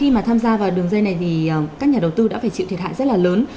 khi mà tham gia vào đường dây này thì các nhà đầu tư đã phải chịu thiệt hại rất là lớn